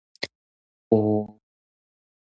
埔